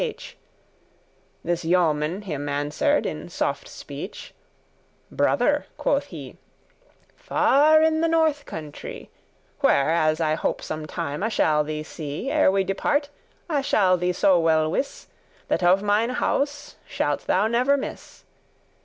* *seek, visit This yeoman him answered in soft speech; Brother," quoth he, "far in the North country,<8> Where as I hope some time I shall thee see Ere we depart I shall thee so well wiss,* *inform That of mine house shalt thou never miss."